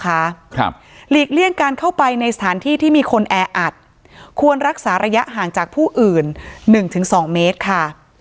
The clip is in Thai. ครับหลีกเลี่ยงการเข้าไปในสถานที่ที่มีคนแออัดควรรักษาระยะห่างจากผู้อื่นหนึ่งถึงสองเมตรค่ะ